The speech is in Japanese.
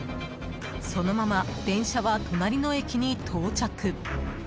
そのまま電車は隣の駅に到着。